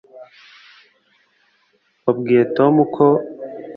wabwiye tom ko